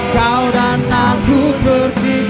kau dan aku tercinta